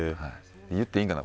言っていいんかな？